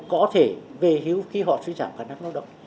có thể về hưu khi họ suy giảm khả năng lao động